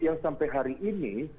yang sampai hari ini